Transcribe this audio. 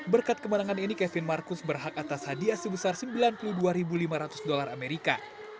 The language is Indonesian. berkat kemenangan ini kevin marcus berhak atas hadiah sebesar sembilan puluh dua lima ratus dolar amerika